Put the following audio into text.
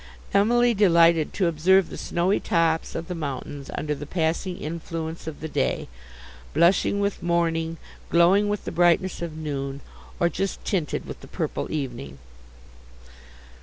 Emily delighted to observe the snowy tops of the mountains under the passing influence of the day, blushing with morning, glowing with the brightness of noon, or just tinted with the purple evening.